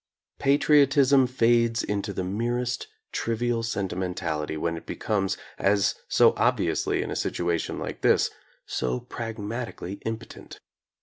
Patriotism fades into the merest trivial sentimentality when it becomes, as so obviously in a situation like this, so pragmat ically impotent.